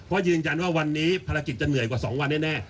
เพราะยืนยันว่าวันนี้ภารกิจจะเหนื่อยกว่า๒วันแน่